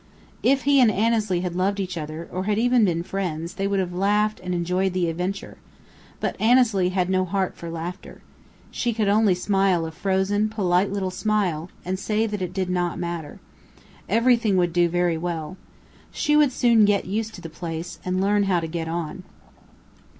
If he and Annesley had loved each other, or had even been friends, they would have laughed and enjoyed the adventure. But Annesley had no heart for laughter. She could only smile a frozen, polite little smile, and say that it "did not matter. Everything would do very well." She would soon get used to the place, and learn how to get on.